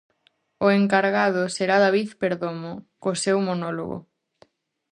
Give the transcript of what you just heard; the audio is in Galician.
O encargado será David Perdomo co seu monólogo.